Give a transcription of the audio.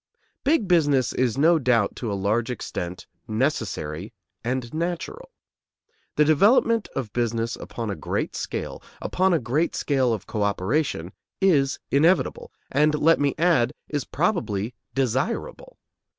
Big business is no doubt to a large extent necessary and natural. The development of business upon a great scale, upon a great scale of co operation, is inevitable, and, let me add, is probably desirable.